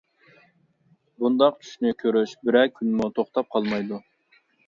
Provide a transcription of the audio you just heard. بۇنداق چۈشنى كۆرۈش بىرەر كۈنمۇ توختاپ قالمايدۇ.